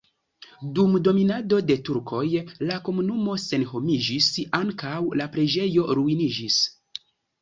Dum dominado de turkoj la komunumo senhomiĝis, ankaŭ la preĝejo ruiniĝis.